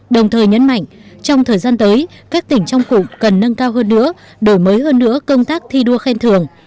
đồng thời nhấn mạnh trong thời gian tới các tỉnh trong cụm cần nâng cao hơn nữa đổi mới hơn nữa công tác thi đua khen thường